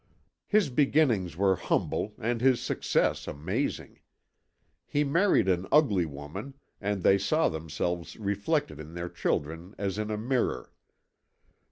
His beginnings were humble and his success amazing. He married an ugly woman and they saw themselves reflected in their children as in a mirror.